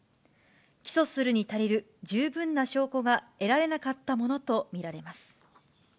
起訴するに足りる十分な証拠が得られなかったものと見られます。